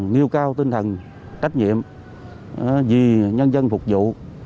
nêu cao tinh thần trách nhiệm vì nhân dân phục vụ